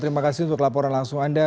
terima kasih untuk laporan langsung anda